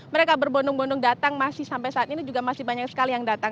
mereka berbondong bondong datang masih sampai saat ini juga masih banyak sekali yang datang